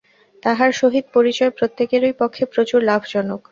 তাঁহার সহিত পরিচয় প্রত্যেকেরই পক্ষে প্রচুর লাভজনক।